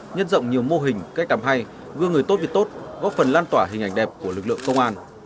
nhân rộng nhiều mô hình cách làm hay gương người tốt việc tốt góp phần lan tỏa hình ảnh đẹp của lực lượng công an